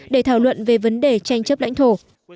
để thảo luận về vấn đề tranh chấp lãnh thổ